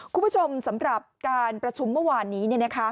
คุณผู้ชมสำหรับการประชุมเมื่อวานนี้